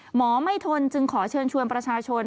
หมอไม่ทนจึงขอเชิญชวนประชาชน